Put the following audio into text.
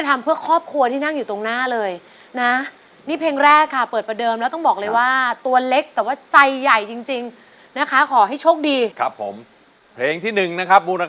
จะทำเพื่อครอบครัวที่นั่งอยู่ตรงหน้าเลยนะวันการมาทางพลันธุ์